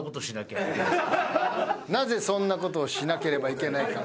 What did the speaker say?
なぜそんな事をしなければいけないか？